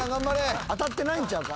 当たってないんちゃうか？